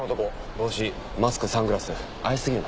帽子マスクサングラス怪しすぎるな。